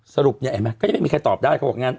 สรุปใหญ่ไหมก็ยังไม่มีใครตอบได้